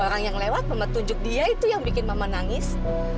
orang yang lewat mama tunjuk dia itu yang bikin mama nangis